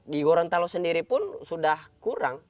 di gorontalo sendiri pun sudah kurang